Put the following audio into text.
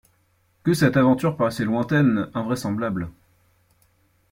Que cette aventure paraissait lointaine, invraisemblable.